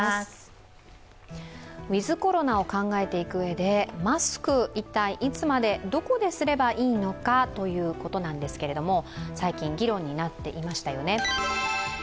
ウィズ・コロナを考えていくうえでマスク、一体いつまで、どこですればいいのかということなんですが、最近議論になっていましたよね。